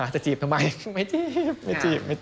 จะจีบทำไมไม่จีบ